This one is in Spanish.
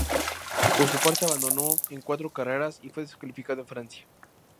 Por su parte, abandonó en cuatro carreras y fue descalificado en Francia.